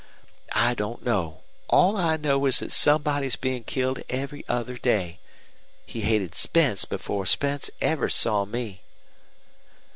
I don't know. All I know is that somebody is being killed every other day. He hated Spence before Spence ever saw me."